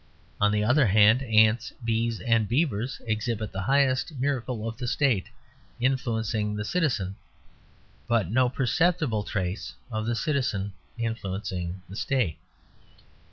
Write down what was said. On the other hand, ants, bees, and beavers exhibit the highest miracle of the State influencing the citizen; but no perceptible trace of the citizen influencing the State.